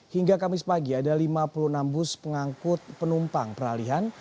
hingga kamis pagi ada lima puluh enam bus pengangkut penumpang peralihan